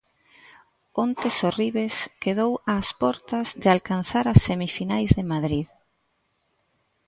Onte Sorribes quedou ás portas de alcanzar as semifinais de Madrid.